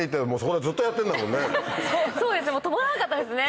そうですね止まらなかったですね。